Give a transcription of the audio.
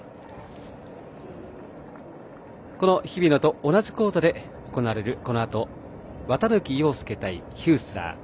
この日比野と同じコートで行われるこのあと綿貫陽介対ヒュースラー。